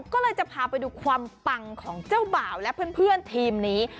ก็เลยจะพาไปดูความปังของเจ้าบ่าวและเพื่อนทีมนี้